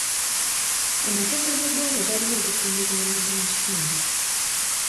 Amateeka g'eggwanga galina okukuumibwa abantu mu kitundu.